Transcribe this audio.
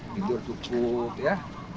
tidur cukup ya